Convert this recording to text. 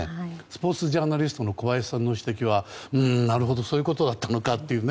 スポーツジャーナリストの小林さんの指摘はなるほどそういうことだったのかという。